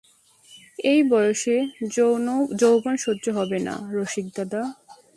এ বয়সে যৌবন সহ্য হবে না রসিকদাদা!